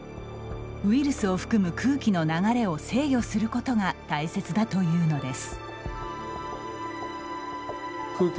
ウイルスを含む空気の流れを制御することが大切だというのです。